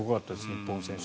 日本選手。